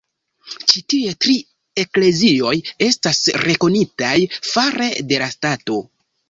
Ĉi tiuj tri eklezioj estas rekonitaj fare de la stato.